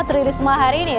teriris semua hari ini